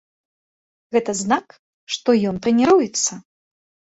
Гэта знак, што ён трэніруецца.